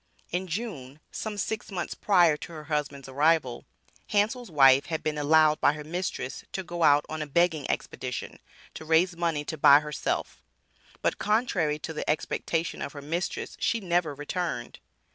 In June, some six months prior to her husband's arrival, Hansel's wife had been allowed by her mistress to go out on a begging expedition, to raise money to buy herself; but contrary to the expectation of her mistress she never returned.